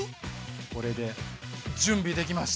これで準備できました！